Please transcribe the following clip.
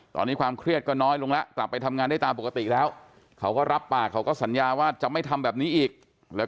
ตอนนี้ความเครียดก็น้อยลงแล้วกลับไปทำงานได้ตามปกติแล้ว